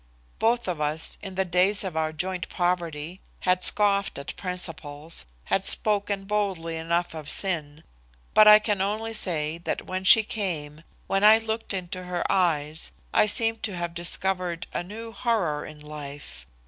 Both of us, in the days of our joint poverty, had scoffed at principles, had spoken boldly enough of sin, but I can only say that when she came, when I looked into her eyes, I seemed to have discovered a new horror in life.